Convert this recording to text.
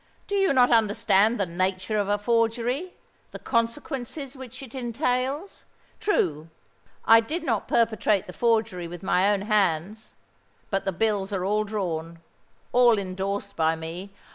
"Do you not understand the nature of a forgery—the consequences which it entails? True—I did not perpetrate the forgery with my own hands;—but the bills are all drawn—all endorsed by me!